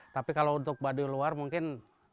tapi kalau untuk baduy luar mungkin